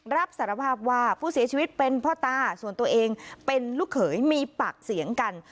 รับสารภาพว่าผู้เสียชีวิตเป็นพ่อตาส่วนตัวเองเป็นลูกเขยมีปากเสียงกัน